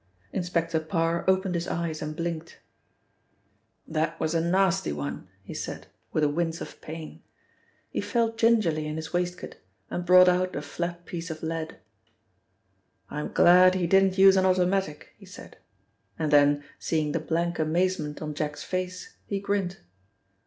Inspector Parr opened his eyes and blinked. "That was a nasty one," he said with a wince of pain. He felt gingerly in his waistcoat and brought out a flat piece of lead. "I'm glad he didn't use an automatic," he said, and then, seeing the blank amazement on Jack's face, he grinned.